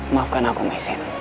maafkan aku mesin